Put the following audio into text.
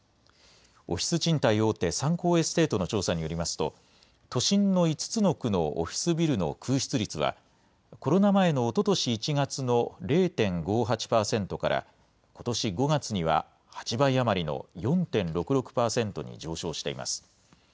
オフィス賃貸大手、三幸エステートの調査によりますと、都心の５つの区のオフィスビルの空室率は、コロナ前のおととし１月の０．５８％から、ことし５月には８倍余りの４．６６％に上昇しています。